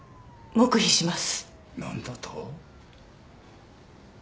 黙秘します！